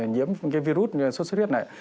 nhiễm virus sốt suốt huyết này